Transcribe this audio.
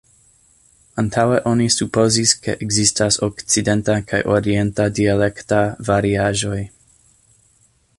Antaŭe oni supozis, ke ekzistas okcidenta kaj orienta dialekta variaĵoj.